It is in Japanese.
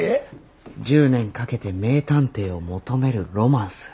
１０年かけて名探偵を求めるロマンス。